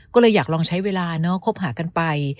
ก็เลยอยากลองใช้เวลาเนาะคบหากันไป